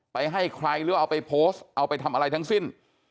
ให้ใครหรือเอาไปโพสต์เอาไปทำอะไรทั้งสิ้น